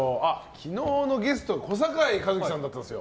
昨日のゲスト小堺一機さんだったんですよ。